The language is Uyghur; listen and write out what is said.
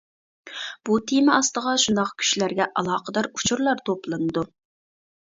بۇ تېما ئاستىغا شۇنداق كۈچلەرگە ئالاقىدار ئۇچۇرلار توپلىنىدۇ.